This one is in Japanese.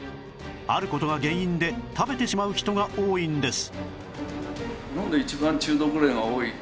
ある事が原因で食べてしまう人が多いんです